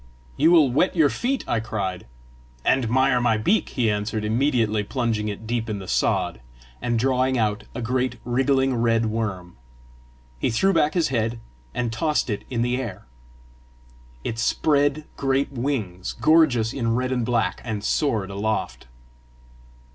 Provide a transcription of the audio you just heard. "You will wet your feet!" I cried. "And mire my beak," he answered, immediately plunging it deep in the sod, and drawing out a great wriggling red worm. He threw back his head, and tossed it in the air. It spread great wings, gorgeous in red and black, and soared aloft.